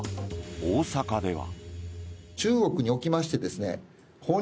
大阪では。